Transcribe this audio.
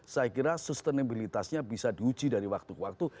saya kira sustenabilitasnya bisa diuji dari waktu ke waktu